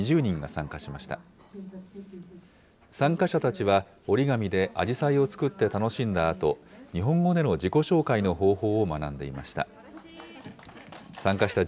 参加者たちは、折り紙であじさいを作って楽しんだ後、日本語での自己紹介の方法を学んでいました。